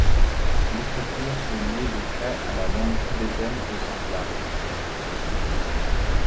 L'écriture est liée de près à la langue tibétaine au sens large.